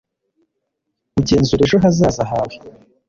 ugenzura ejo hazaza hawe